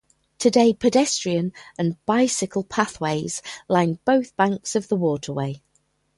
Today, pedestrian and bicycle pathways line both banks of the Waterway.